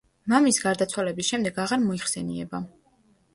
მამის გარდაცვალების შემდეგ აღარ მოიხსენიება.